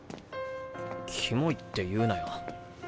キモいって言うなよ。